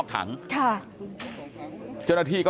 กลุ่มตัวเชียงใหม่